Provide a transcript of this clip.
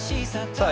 さあ